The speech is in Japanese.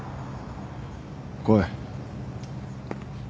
来い。